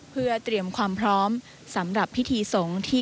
เพื่อเตรียมความพร้อมสำหรับพิธีสงฆ์ที่